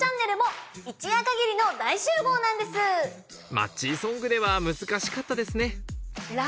「マッチソング」では難しかったですね